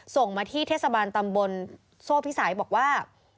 ส่งมาที่เทศบาลตำบลโซ่พิสัยบอกว่า